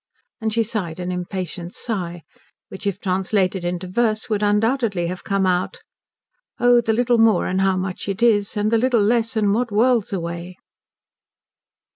And she sighed an impatient sigh, which, if translated into verse, would undoubtedly have come out "Oh the little more and how much it is, And the little less and what worlds away!"